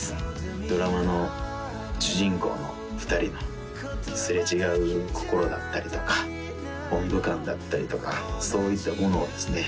ドラマの主人公の２人の擦れ違う心だったりとか温度感だったりとかそういったものをですね